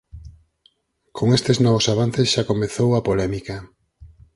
Con estes novos avances xa comezou a polémica.